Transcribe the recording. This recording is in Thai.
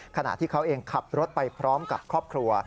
ขณะที่เขาเองขับรถไปพร้อมกับครอบครัว